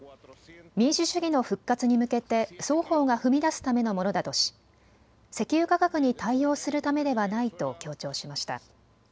民主主義の復活に向けて双方が踏み出すためのものだとし石油価格に対応するためではないと強調しました。